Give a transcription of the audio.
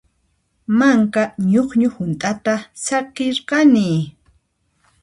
Manka ñuqñu hunt'ata saqirqani.